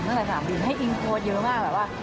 ตั้งแต่สนามบินให้อิ๊งโฟสเยอะมากแบบว่า